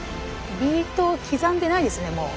ビートを刻んでないですねもう。